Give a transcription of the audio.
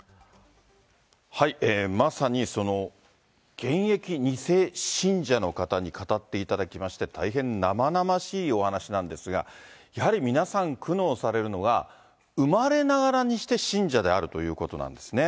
まさにその現役２世信者の方に語っていただきまして、大変生々しいお話なんですが、やはり皆さん苦悩されるのが、生まれながらにして信者であるということなんですね。